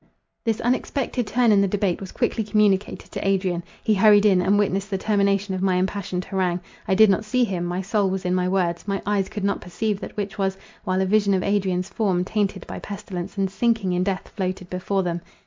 This unexpected turn in the debate was quickly communicated to Adrian. He hurried in, and witnessed the termination of my impassioned harangue. I did not see him: my soul was in my words,—my eyes could not perceive that which was; while a vision of Adrian's form, tainted by pestilence, and sinking in death, floated before them.